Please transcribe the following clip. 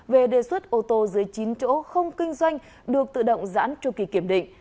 về đề xuất ô tô dưới chín chỗ không kinh doanh được tự động giãn tru kỳ kiểm định